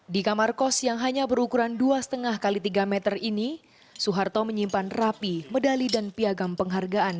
di kamar kos yang hanya berukuran dua lima x tiga meter ini suharto menyimpan rapi medali dan piagam penghargaan